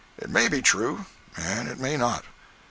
It may be true, and it may not.